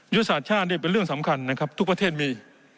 ยุทธศาสตร์ชาตินี่เป็นเรื่องสำคัญนะครับทุกประเทศมี